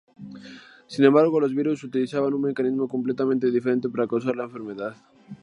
Sin embargo, los virus utilizan un mecanismo completamente diferente para causar la enfermedad.